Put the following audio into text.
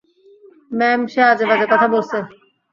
Ma'am, সে আজেবাজে কথা বলছে।